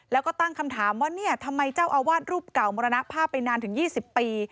แล้วก็ตั้งคำถามว่าเนี่ยทำไมเจ้าอาวาสรูปเก่ามรณภาพไปนานถึง๒๐ปี